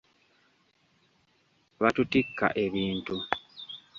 Batutikka ebintu.